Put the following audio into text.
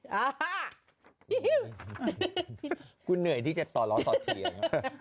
แห่งคุณเนื่อยที่จะตอรอต่อเถียง